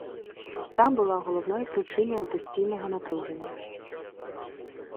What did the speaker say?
Та була головною причиною постійного напруження.